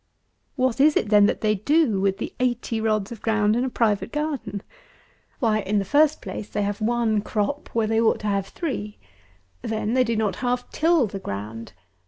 What is it, then, that they do with the eighty rods of ground in a private garden? Why, in the first place, they have one crop where they ought to have three. Then they do not half till the ground.